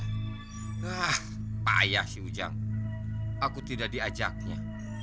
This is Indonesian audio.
hah payah si ujang aku tidak diajaknya